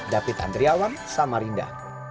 david andriawan samarinda